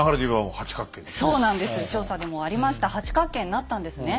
調査にもありました八角形になったんですね。